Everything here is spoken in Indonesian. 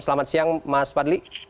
selamat siang mas fadli